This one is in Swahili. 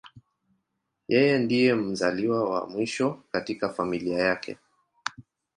Yeye ndiye mzaliwa wa mwisho katika familia yake.